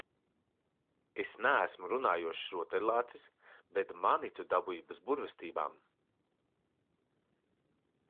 Es neesmu runājošs rotaļlācis, bet mani tu dabūji bez burvestībām.